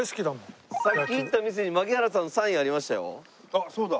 あっそうだ。